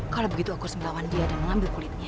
kalau begitu aku harus melawan dia dan mengambil kulitnya